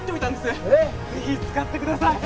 ぜひ使ってください！